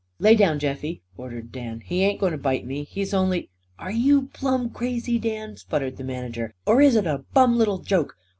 "Lay down, Jeffie!" ordered Dan. "He ain't going to bite me. He's only " "Are you plumb crazy, Dan?" sputtered the manager. "Or is it a bum little joke?